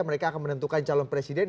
mereka akan menentukan calon presiden